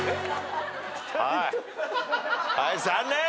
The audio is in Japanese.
はい残念。